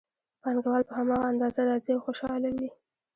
پانګوال په هماغه اندازه راضي او خوشحاله وي